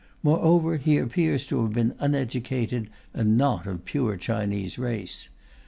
Moreover, he appears to have been uneducated and not of pure Chinese race.